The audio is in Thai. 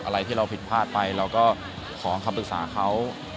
อะไรที่เราผิดพลาดไปเราก็ขอคำปรึกษาเขา